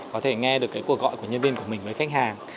có thể nghe được cái cuộc gọi của nhân viên của mình với khách hàng